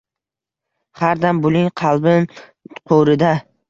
Xar dam buling qalbim qurida